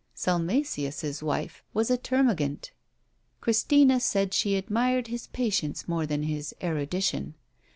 Salmasius's wife was a termagant; Christina said she admired his patience more than his erudition.